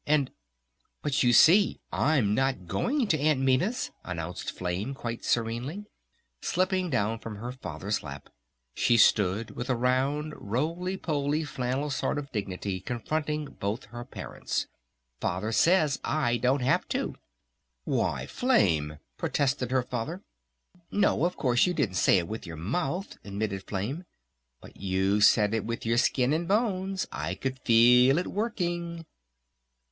And...." "But you see I'm not going to Aunt Minna's!" announced Flame quite serenely. Slipping down from her Father's lap she stood with a round, roly poly flannel sort of dignity confronting both her parents. "Father says I don't have to!" "Why, Flame!" protested her Father. "No, of course, you didn't say it with your mouth," admitted Flame. "But you said it with your skin and bones! I could feel it working."